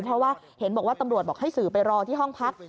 เพราะว่าเห็นบอกว่าตำรวจบอกให้สื่อไปรอที่ห้องพัก